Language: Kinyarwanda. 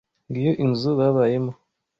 Ngiyo inzu babayemo.